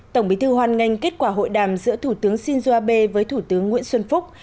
tổng bí thư hoan nghênh kết quả hội đàm giữa thủ tướng shinzo abe với thủ tướng nguyễn xuân phúc